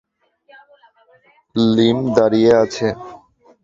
লীম দাঁড়িয়ে আছে।